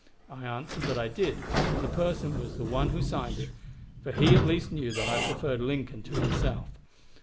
I answered that I did, and the person was the one who signed it, for he at least knew that I preferred Lincoln to himself.